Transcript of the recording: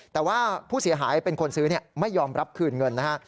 แต่ว่าผู้เสียหายเป็นคนซื้อไม่ยอมรับคืนเงินนะฮะ